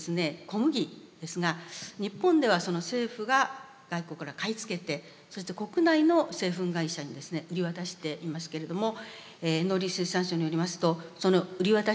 小麦ですが日本では政府が外国から買い付けてそして国内の製粉会社にですね売り渡していますけれども農林水産省によりますとその売渡価格ですね。